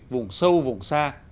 vùng sâu vùng xa